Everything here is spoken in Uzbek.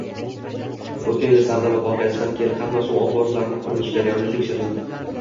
“Oʻtgan yili Sardoba voqeasidan keyin hamma suv omborlarini qurilish jarayoni tekshirildi.